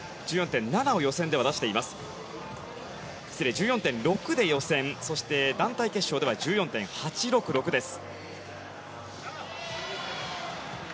１４．６で予選そして団体決勝では１４．８６６です。